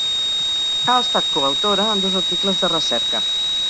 Ha estat coautora en dos articles de recerca.